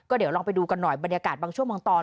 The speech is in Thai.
เดี๋ยวลองไปดูกันหน่อยบรรยากาศบางช่วงบางตอน